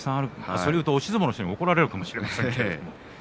それを言うと押し相撲の人に怒られるかもしれません。